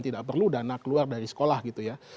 tidak perlu dana keluar dari sekolah gitu ya